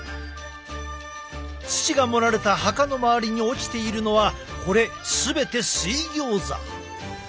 土が盛られた墓の周りに落ちているのはこれ全て水ギョーザ。